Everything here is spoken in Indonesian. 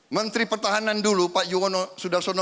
menteri pertahanan dulu pak yuwono sudarsono